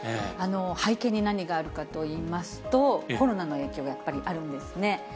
背景に何があるかといいますと、コロナの影響、やっぱりあるんですね。